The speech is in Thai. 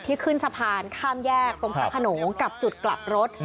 ตรงปลาขนมกับจุดกลับรถ